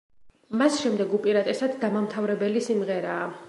მას შემდეგ, უპირატესად, დამამთავრებელი სიმღერაა.